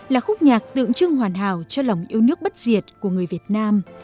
là khúc nhạc tượng trưng hoàn hảo cho lòng yêu nước bất diệt của người việt nam